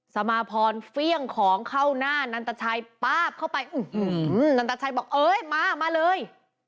สมาพรเฟี่ยงของเข้าหน้านันตชัยป๊าบเข้าไปนันตชัยบอกเอ้ยมามาเลย